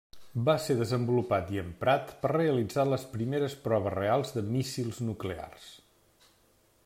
Va ser desenvolupat i emprat per realitzar les primeres proves reals de míssils nuclears.